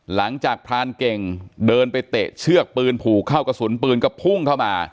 พรานเก่งเดินไปเตะเชือกปืนผูกเข้ากระสุนปืนก็พุ่งเข้ามา